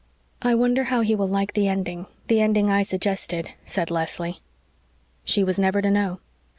"I wonder how he will like the ending the ending I suggested," said Leslie. She was never to know.